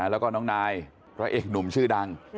แล้วก็น้องนายพระเอกหนุ่มชื่อดัง